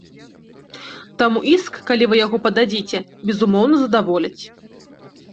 Таму іск, калі вы яго пададзіце, безумоўна, задаволяць.